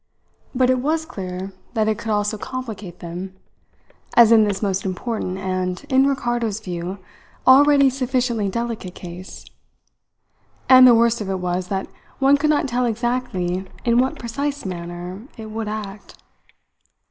But it was clear that it could also complicate them as in this most important and, in Ricardo's view, already sufficiently delicate case. And the worst of it was that one could not tell exactly in what precise manner it would act.